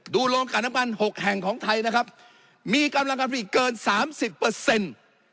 โรงการน้ำมันหกแห่งของไทยนะครับมีกำลังการผลิตเกินสามสิบเปอร์เซ็นต์